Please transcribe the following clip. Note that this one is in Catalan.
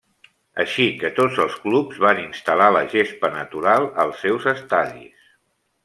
Així que tots els clubs van instal·lar la gespa natural als seus estadis.